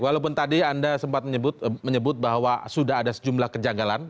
walaupun tadi anda sempat menyebut bahwa sudah ada sejumlah kejanggalan